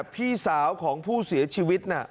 พี่สาวของผู้เสียชีวิต